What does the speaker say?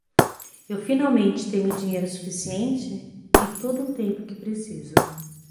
Eu finalmente tenho dinheiro suficiente? e todo o tempo que preciso.